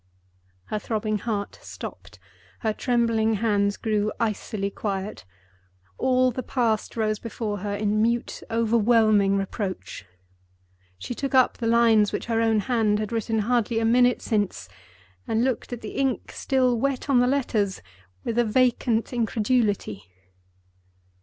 _ Her throbbing heart stopped; her trembling hands grew icily quiet. All the Past rose before her in mute, overwhelming reproach. She took up the lines which her own hand had written hardly a minute since, and looked at the ink, still wet on the letters, with a vacant incredulity.